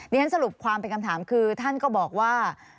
ฉันสรุปความเป็นคำถามคือท่านก็บอกว่า